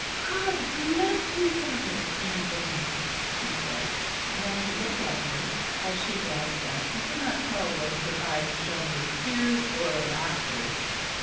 "God bless you, Father Anthony!" she said; and as he looked at her, as she glanced up, he could not tell whether her eyes shone with tears or laughter.